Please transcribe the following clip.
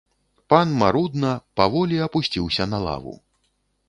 Пан марудна, паволі апусціўся на лаву.